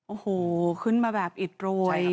โอ้โหขึ้นมาแบบอิดโรย